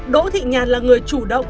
đỗ thị nhàn là người chủ động